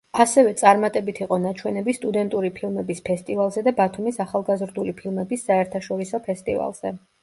ასევე წარმატებით იყო ნაჩვენები სტუდენტური ფილმების ფესტივალზე და ბათუმის ახალგაზრდული ფილმების საერთაშორისო ფესტივალზე.